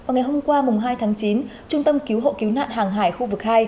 vào ngày hôm qua hai tháng chín trung tâm cứu hộ cứu nạn hàng hải khu vực hai